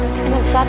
nanti kita besot